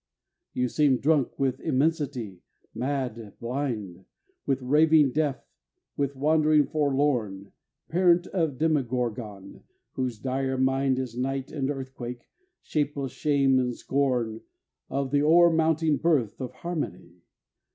You seem drunk with immensity, mad, blind With raving deaf, with wandering forlorn, Parent of Demogorgon whose dire mind Is night and earthquake, shapeless shame and scorn Of the o'ermounting birth of Harmony.